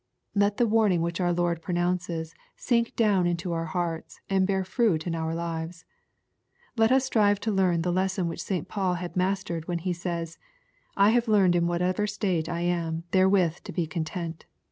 Let the warning which our Lord pronounces, sink down into our hearts, and bear fruit in our lives. Let us strive to learn the lesson which St. Paul had mastered, when he says, " I have learned in whatever state I am therewith to be content."